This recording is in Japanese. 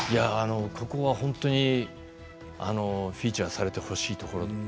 ここは本当にフィーチャーされてほしいところですね。